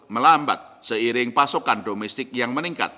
melambat seiring pasokan domestik yang meningkat